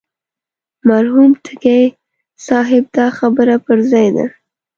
مرحوم تږي صاحب دا خبره پر ځای ده.